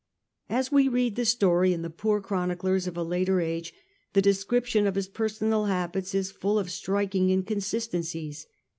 As we read the story in the poor chroniclers of a later age the description of his personal habits is full of striking inconsistencies.